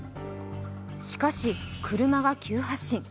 しかし、車が急発進。